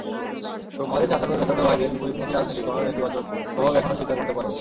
আমাদের চাচাতো-জ্যাঠাতো ভাইদের বিপরীতমুখী রাজনীতির কোনো নেতিবাচক প্রভাব এখনো সীতাকুণ্ডে পড়েনি।